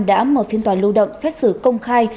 đã mở phiên tòa lưu động xét xử công khai